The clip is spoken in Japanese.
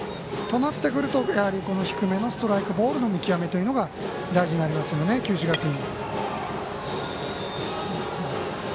低めのストライクボールの見極めというのが大事になりますよね、九州学院。